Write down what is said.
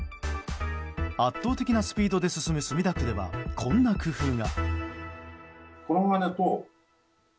圧倒的なスピードで進む墨田区ではこんな工夫が。